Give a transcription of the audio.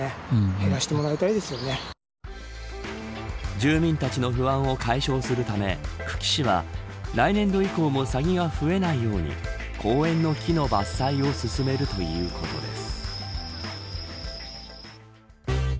住民たちの不安を解消するため久喜市は、来年度以降もサギが増えないように公園の木の伐採を進めるということです。